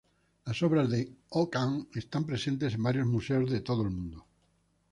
Las obras de Ho Kan están presentes en varios museos en todo el mundo.